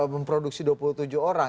memproduksi dua puluh tujuh orang